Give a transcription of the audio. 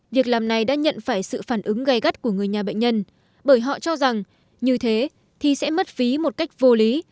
việc làm này đã nhận phải sự phản ứng gây gắt của người nhà bệnh nhân bởi họ cho rằng như thế thì sẽ mất phí một cách vô lý